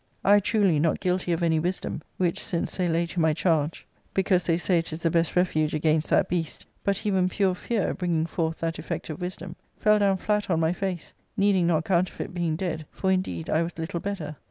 I truly, not guilty of any wisdom, .which since they lay to my charge, because they say it is the best refuge against that beast, but even pure fear bring ing forth that effect of wisdom, fell down flat on my face, needing not counterfeit being dead, for, indeed, I was little better.